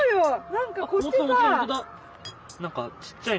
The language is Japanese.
なんかこっちさ。